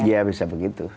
ya bisa begitu